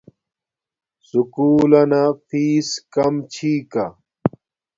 سکُول لنا فیس کم چھی کا